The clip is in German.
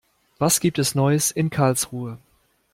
Was gibt es Neues in Karlsruhe?